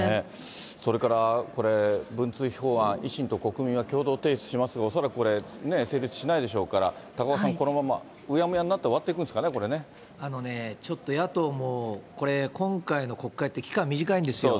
それから文通費法案、維新と国民が共同提出しますが、恐らくこれ、成立しないでしょうから、高岡さん、このままうやむやになって終わっていくんですかちょっと野党も、今回の国会って期間短いんですよ。